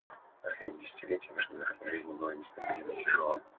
Последнее десятилетие в международной жизни было нестабильным и тяжелым.